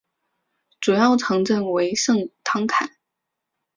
主要城镇为圣康坦。